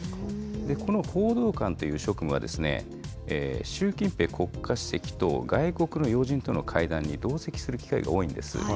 この報道官という職務はですね、習近平国家主席と外国の要人との会談に同席する機会が多いんです。